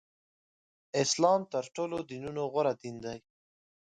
اسلام تر ټولو دینونو غوره دین دی.